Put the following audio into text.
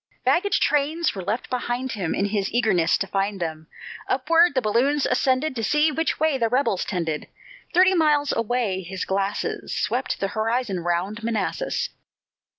Baggage trains were left behind him, In his eagerness to find them; Upward the balloons ascended, To see which way the rebels trended; Thirty miles away his glasses Swept the horizon round Manassas.